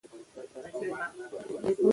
طلا د افغانستان د بڼوالۍ برخه ده.